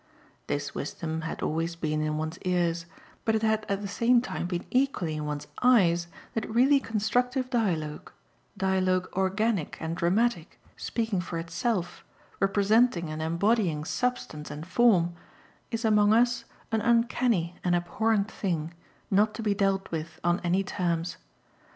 This wisdom had always been in one's ears; but it had at the same time been equally in one's eyes that really constructive dialogue, dialogue organic and dramatic, speaking for itself, representing and embodying substance and form, is among us an uncanny and abhorrent thing, not to be dealt with on any terms.